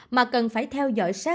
mà cần phải theo dõi sát